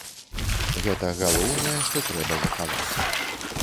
Гэта галоўнае, што трэба захаваць.